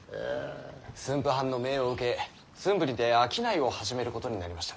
駿府藩の命を受け駿府にて商いを始めることになりました。